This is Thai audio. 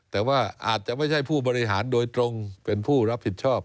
แต่ว่าอาจจะไม่ใช่ผู้บริหารโดยตรงเป็นผู้รับผิดชอบ